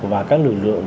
và các lực lượng